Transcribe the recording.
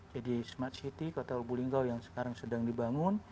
jadi smart city kota lubulinggau yang sekarang sedang dibangun